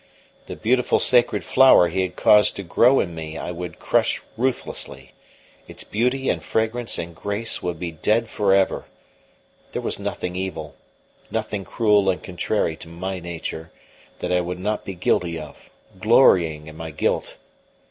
The beautiful sacred flower He had caused to grow in me I would crush ruthlessly; its beauty and fragrance and grace would be dead for ever; there was nothing evil, nothing cruel and contrary to my nature, that I would not be guilty of, glorying in my guilt.